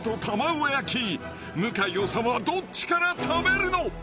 向井理はどっちから食べるの？